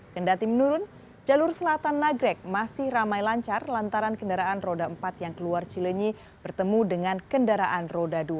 kendati menurun jalur selatan nagrek masih ramai lancar lantaran kendaraan roda empat yang keluar cilenyi bertemu dengan kendaraan roda dua